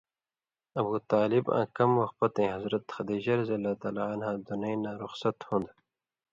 ابو طالب آں کم وخ پتَیں حضرت خدیجہ رض دُنَیں نہ رخصت ہُون٘د۔